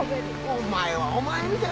お前は。お前みたい。